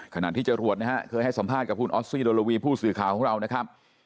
ขณะที่เจ้ารวดนะครับคือให้สัมภาษณ์กับพูดออสซีโดรวีผู้สื่อข่าวของเรานะครับ